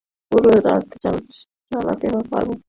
পুরো রাত চালাতে পারবো।